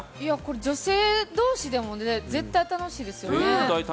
女性同士でも絶対楽しいですよね。